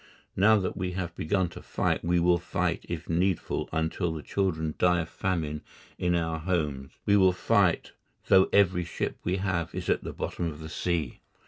Now that we have begun to fight we will fight if needful until the children die of famine in our homes, we will fight though every ship we have is at the bottom of the sea.